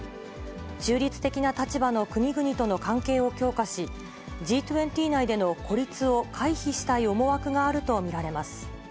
中立的な立場の国々との関係を強化し、Ｇ２０内での孤立を回避したい思惑があると見られます。